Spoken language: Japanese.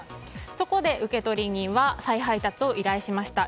そこで受取人は再配達を依頼しました。